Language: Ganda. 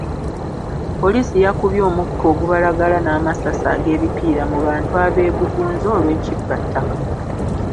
Poliisi yakubye omukka ogubalagala n'amasasi ag'ebipiira mu bantu abeegugunze olw'ekibbattaka.